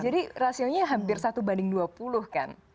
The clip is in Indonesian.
jadi rasionya hampir satu banding dua puluh kan